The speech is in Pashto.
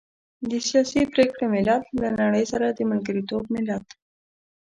د سياسي پرېکړې ملت، له نړۍ سره د ملګرتوب ملت.